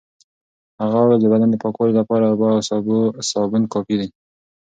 هغه وویل د بدن د پاکوالي لپاره اوبه او سابون کافي دي.